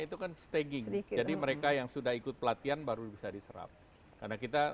itu kan stagging jadi mereka yang sudah ikut pelatihan baru bisa diserap karena kita